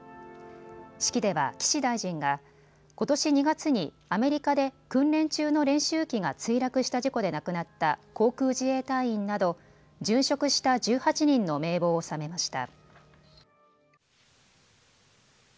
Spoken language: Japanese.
式では岸大臣がことし２月にアメリカで訓練中の練習機が墜落した事故で亡くなった航空自衛隊員など、殉職した１８人の名簿を納めました。